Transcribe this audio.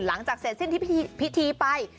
หลังจากเสร็จสิ้นที่พิธีไป